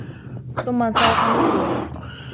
ثُمَّ انْصَرَفَ مَسْرُورًا